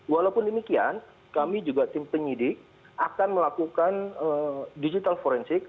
walaupun demikian kami juga tim penyidik akan melakukan digital forensik